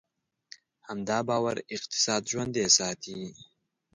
همدا باور اقتصاد ژوندی ساتي.